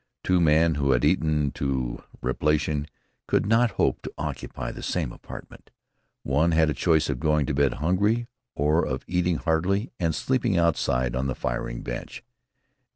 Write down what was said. Two men who had eaten to repletion could not hope to occupy the same apartment. One had a choice of going to bed hungry or of eating heartily and sleeping outside on the firing bench.